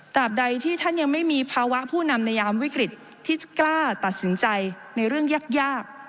ใดที่ท่านยังไม่มีภาวะผู้นำในยามวิกฤตที่กล้าตัดสินใจในเรื่องยาก